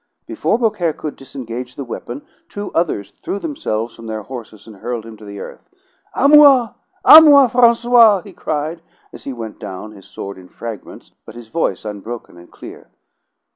Before Beaucaire could disengage the weapon, two others threw themselves from their horses and hurled him to the earth. "A moi! A moi, Francois!" he cried as he went down, his sword in fragments, but his voice unbroken and clear.